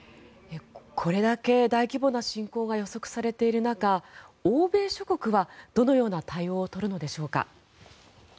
これだけ大規模な侵攻が予測されている中欧米諸国は、どのような対応を取るのでしょうか。